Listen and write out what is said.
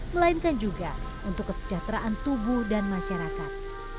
melainkan juga untuk kesejahteraan tubuh dan masyarakat